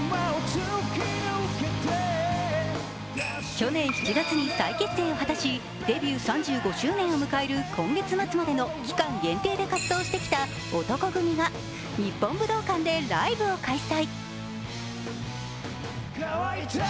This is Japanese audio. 去年７月に再結成を果たしデビュー３５周年を迎える今月末までの期間限定で活動してきた男闘呼組が日本武道館でライブを開催。